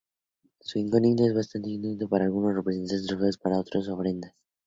Su iconografía es bastante enigmática: para algunos representan trofeos, para otros ofrendas.